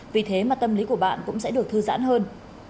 vì thế mà tâm lý của bạn cũng sẽ được thư giãn hơn